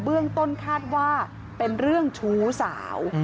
เบื้องต้นคาดว่าเป็นเรื่องชู้สาว